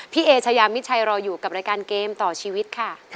เอเชยามิดชัยรออยู่กับรายการเกมต่อชีวิตค่ะ